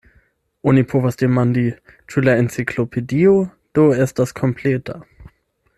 Oni povas demandi, ĉu la Enciklopedio do estas kompleta?